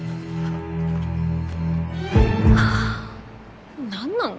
はぁ何なの？